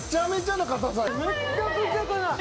めっちゃくちゃ硬い。